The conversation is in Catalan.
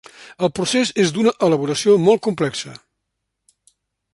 El procés és d'una elaboració molt complexa.